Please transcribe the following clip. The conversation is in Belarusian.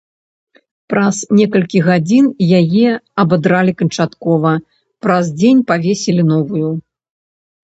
Праз некалькі гадзін яе абадралі канчаткова, праз дзень павесілі новую.